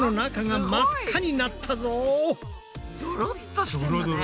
ドロッとしてんだね。